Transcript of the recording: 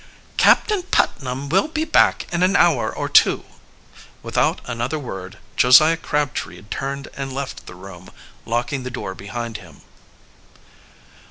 "Captain Putnam will be back in an hour or two." Without another word, Josiah Crabtree turned and left the room, locking the door behind him.